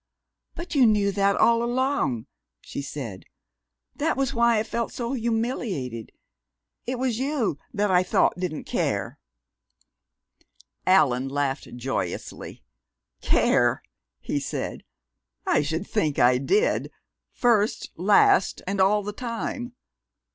"But you knew that all along!" she said. "That was why I felt so humiliated. It was you that I thought didn't care " Allan laughed joyously. "Care!" he said. "I should think I did, first, last, and all the time!